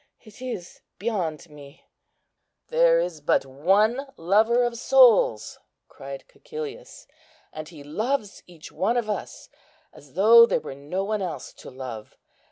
It is beyond me." "There is but one Lover of souls," cried Cæcilius, "and He loves each one of us, as though there were no one else to love.